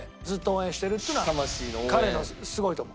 彼はすごいと思う。